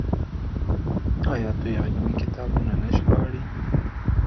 آیا دوی علمي کتابونه نه ژباړي؟